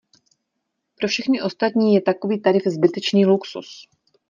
Pro všechny ostatní je takový tarif zbytečný luxus.